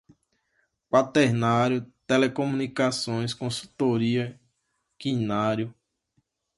quaternário, telecomunicações, consultoria, quinário